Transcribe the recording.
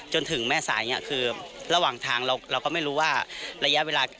จนถึงแม่สายเนี่ยคือระหว่างทางเราก็ไม่รู้ว่าระยะเวลา